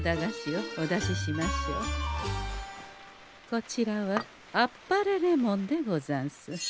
こちらは天晴れレモンでござんす。